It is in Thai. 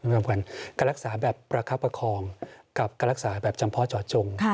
จำขวัญการรักษาแบบประคับประคองกับการรักษาแบบจำเพาะเจาะจง